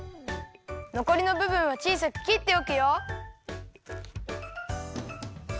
のこりのぶぶんはちいさくきっておくよ。